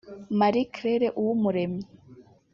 Marie Claire Uwumuremyi